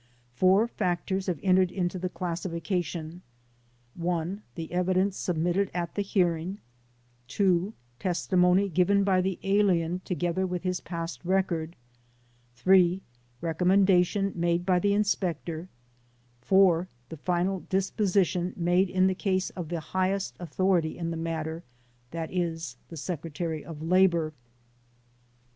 Four factors have entered into the classification: (1) The evidence submitted at the hearing; (2) testimony given by the alien together with his past record ; (3) rec ommendation made by inspector ; (4) the final disposition made in the case of the highest authority in the matter— i.e., the Secretary of Labor.